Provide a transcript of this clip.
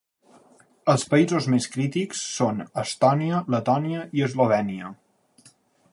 Els països més crítics són Estònia, Letònia i Eslovènia.